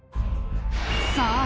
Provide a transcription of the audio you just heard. さあ